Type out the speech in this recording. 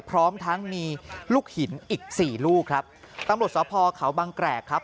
พร้อมทั้งมีลูกหินอีกสี่ลูกครับตำรวจสภเขาบางแกรกครับ